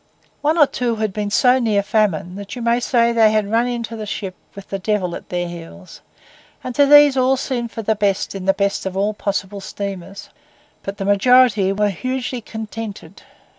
One or two had been so near famine that you may say they had run into the ship with the devil at their heels; and to these all seemed for the best in the best of possible steamers. But the majority were hugely contented.